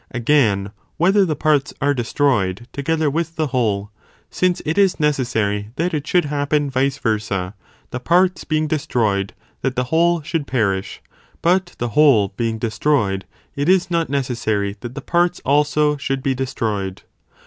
Again, whether the parts are.destroyed together with the whole, since it is necessary that it should happen vice versa, the parts being destroyed that the whole should perish, but the whole being destroyed it is not necessary that the parts also should be de stroyed.